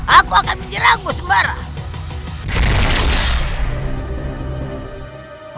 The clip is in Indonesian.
aku akan menjerangmu sembarah